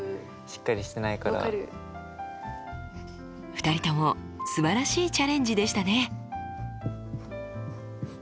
２人ともすばらしいチャレンジでしたね。